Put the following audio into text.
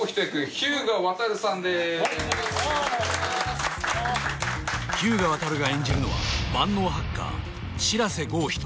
日向亘が演じるのは万能ハッカー白瀬剛人